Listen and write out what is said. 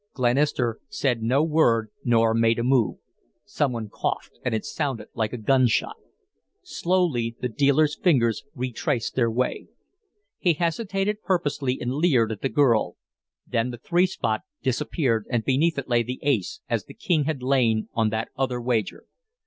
Glenister said no word nor made a move. Some one coughed, and it sounded like a gunshot. Slowly the dealer's fingers retraced their way. He hesitated purposely and leered at the girl, then the three spot disappeared and beneath it lay the ace as the king had lain on that other wager.